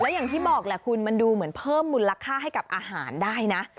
อย่างที่บอกแหละคุณมันดูเหมือนเพิ่มมูลค่าให้กับอาหารได้นะ